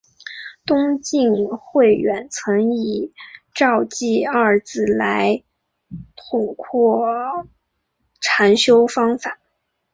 东晋慧远曾以照寂二字来统括禅修方法。